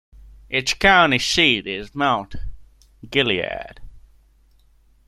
Its county seat is Mount Gilead.